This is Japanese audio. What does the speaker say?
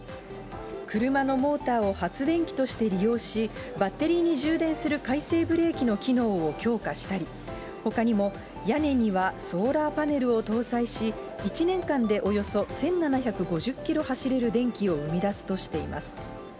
車のモーターを発電機として利用し、バッテリーに充電する回生ブレーキの機能を強化したり、ほかにも、屋根にはソーラーパネルを搭載し、１年間でおよそ１７５０キロ走れる電気を生み出すとしています。